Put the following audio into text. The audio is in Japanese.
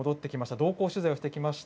同行取材をしてきました